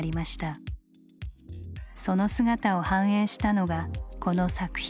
その姿を反映したのがこの作品。